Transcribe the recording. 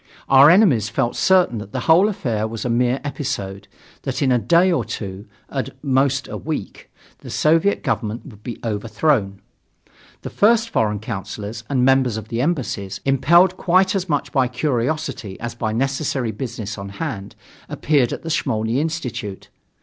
Our enemies felt certain that the whole affair was a mere episode, that in a day or two at most a week the Soviet Government would be overthrown. The first foreign councillors and members of the embassies, impelled quite as much by curiosity as by necessary business on hand, appeared at the Smolny Institute.